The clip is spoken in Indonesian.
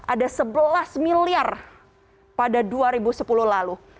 ada sebelas miliar pada dua ribu sepuluh lalu